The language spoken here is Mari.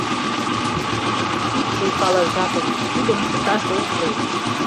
— Ит шуйкале жапым, тидым чыташ ок лий!